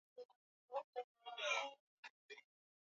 Unafanya mambo ambayo mwanadamu hawezi kufanya.